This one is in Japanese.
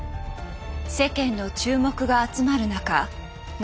世間の注目が集まる中ノ